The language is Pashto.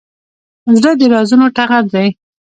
زړه د رازونو ټغر دی.